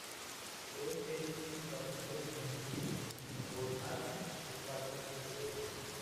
Todos ellos son impartidos en los jardines que conformar el patio posterior.